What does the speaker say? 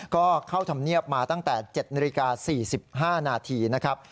ก็เข้าธรรมเนียบมาตั้งแต่๗นาฬิกา๔๕นาทีนะครับ